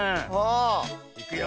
いくよ。